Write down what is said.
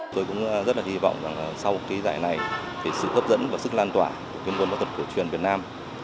tôi cũng rất là hy vọng rằng sau cái giải này thì sự hấp dẫn và sức lan tỏa của kiếm đoàn võ thuật cổ truyền việt nam